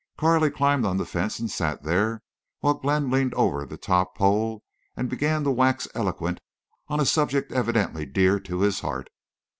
Carley climbed on the fence and sat there while Glenn leaned over the top pole and began to wax eloquent on a subject evidently dear to his heart.